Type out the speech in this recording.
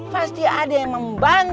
pasti ada yang membantu